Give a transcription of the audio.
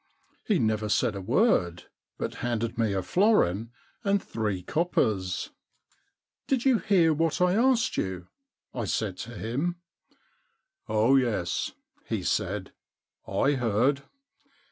He never said a word, but handed me a florin and three coppers. *" Did you hear what I asked you ? I said to him. *" Oh, yes," he said, " I heard.